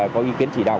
có ý kiến chỉ đạo